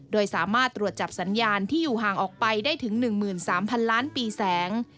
โดยสามารถตรวจจับสัญญาณที่อยู่ห่างออกไปได้ถึง๑๓๐๐๐ล้านปีแสง